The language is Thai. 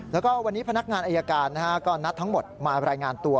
แล้วก็วันนี้พนักงานอายการก็นัดทั้งหมดมารายงานตัว